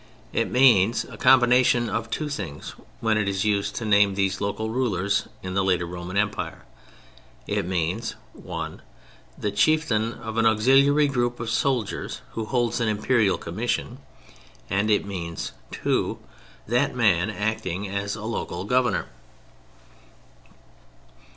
It means a combination of two things when it is used to name these local rulers in the later Roman Empire. It means (1) The chieftain of an auxiliary group of soldiers who holds an Imperial commission: and it means (2) That man acting as a local governor.